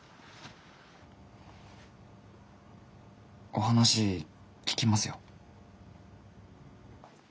お話聞きますよ。